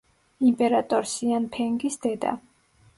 იმპერატორ სიანფენგის დედა.